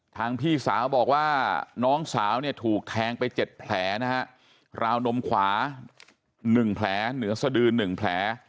ทางพี่สาวบอกว่าน้องสาวถูกแทงไป๗แผลราวนมขวา๑แผลเหนือสดืน๑แผล